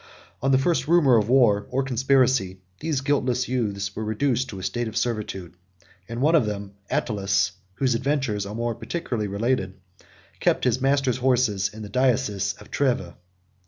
On the first rumor of war, or conspiracy, these guiltless youths were reduced to a state of servitude; and one of them, Attalus, 107 whose adventures are more particularly related, kept his master's horses in the diocese of Treves.